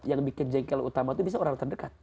yang bikin jengkel orang